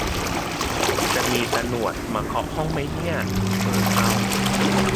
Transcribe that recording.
จะมีตะหนวดมาเคาะห้องมั้ยเนี่ย เผลอเข้า